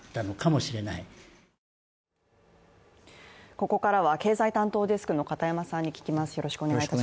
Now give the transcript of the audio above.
ここからは経済担当デスクの片山さんに聞きます。